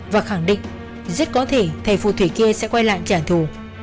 và khẳng định rất có thể thầy phù thủy kia sẽ quay lại trả thù